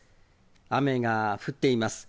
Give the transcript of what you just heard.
雨が降っています。